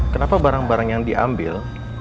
kenapa barang barang yang diambil